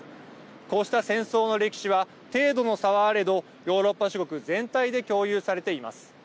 こうした戦争の歴史は程度の差はあれどヨーロッパ諸国全体で共有されています。